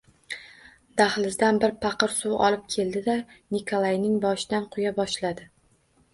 Dahlizdan bir paqir suv olib keldi-da, Nikolayning boshidan quya boshladi